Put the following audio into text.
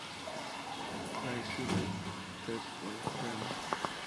I killed the teen dream.